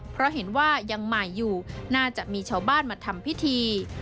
เพราะเห็นว่ายังใหม่อยู่น่าจะมีชาวบ้านมาทำพิธี